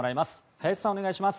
林さん、お願いします。